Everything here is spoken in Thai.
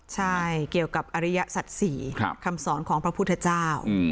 ใช่เกี่ยวกับอริยศักดิ์ศรีคำสอนของพระพุทธเจ้า